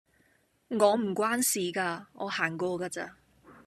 我唔關事㗎，我行過㗎咋